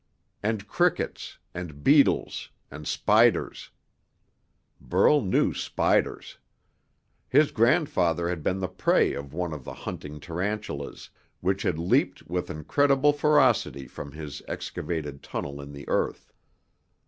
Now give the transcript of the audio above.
And crickets, and beetles, and spiders Burl knew spiders! His grandfather had been the prey of one of the hunting tarantulas, which had leaped with incredible ferocity from his excavated tunnel in the earth.